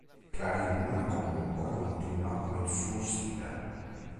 Clarín comunque continua con il suo stile.